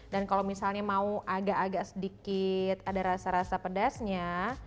dan kalau misalnya mau agak agak sedikit ada rasa rasa pedasnya